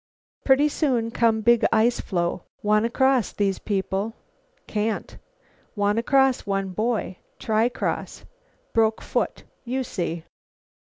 "Pretty soon come big ice floe. Wanna cross, these people. Can't. Wanna cross, one boy. Try cross. Broke foot. You see.